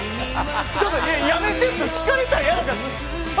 ちょっとやめて、聞かれたら嫌だから！